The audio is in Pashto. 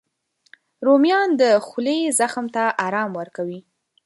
رومیان د خولې زخم ته ارام ورکوي